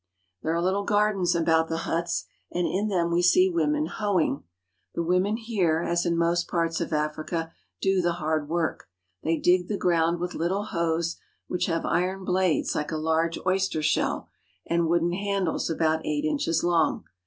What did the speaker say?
There are little gardens about the huts, and in them we see women hoeing. The women here, as in most parts of Africa, do the hard work. They dig the ground with little hoes, which have iron blades like a large oyster shell and wooden handles about eight inches long.